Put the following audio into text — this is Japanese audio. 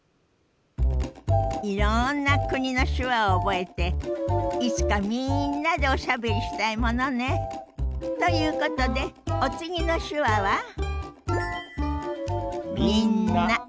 いろんな国の手話を覚えていつかみんなでおしゃべりしたいものね。ということでお次の手話は？